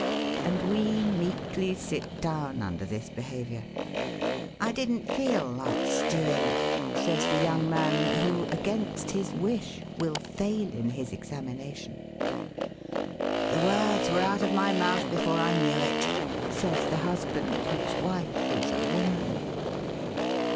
And we meekly sit down under this behaviour! 'I didn't feel like stewing,' says the young man who, against his wish, will fail in his examination. 'The words were out of my mouth before I knew it,' says the husband whose wife is a woman.